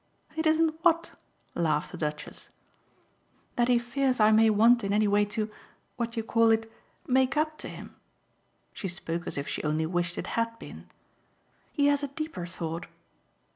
"It isn't what?" laughed the Duchess. "That he fears I may want in any way to what do you call it? make up to him." She spoke as if she only wished it had been. "He has a deeper thought."